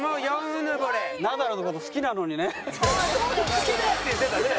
「好きです！」って言ってたね。